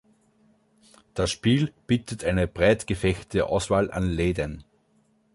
Das Spiel bietet eine breit gefächerte Auswahl an Läden.